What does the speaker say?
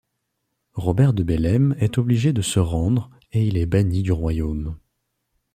Robert de Bellême est obligé de se rendre et il est banni du royaume.